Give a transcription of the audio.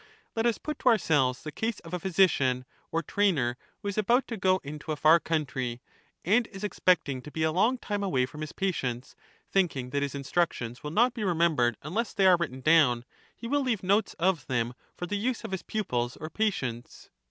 Let us put to ourselves the case of a physician, or trainer, who is about to go into a far country, and is expect ing to be a long time away from his patients — thinking that his instructions will not be remembered unless they are written down, he will leave notes of them for the use of his pupils or patients.